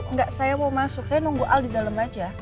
enggak saya mau masuk saya nunggu al di dalam aja